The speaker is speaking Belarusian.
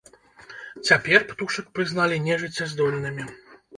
Цяпер птушак прызналі нежыццяздольнымі.